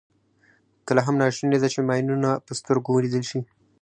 کله هم ناشونې ده چې ماینونه په سترګو ولیدل شي.